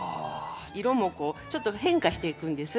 色もこうちょっと変化していくんです。